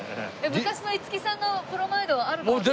昔の五木さんのプロマイドあるかもしれない。